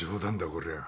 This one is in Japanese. こりゃ。